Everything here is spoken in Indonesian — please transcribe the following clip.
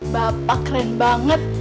bapak keren banget